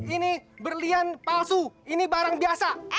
ini berlian palsu ini barang biasa